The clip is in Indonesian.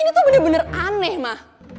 ini tuh bener bener aneh mah